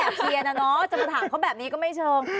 ก็แอบเคียนนะเนอะจะมาถามเขาแบบนี้ก็ไม่เชิง